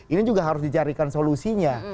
ini juga harus dicarikan solusinya